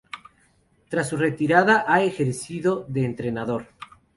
Tras su retirada, ha ejercido de entrenador.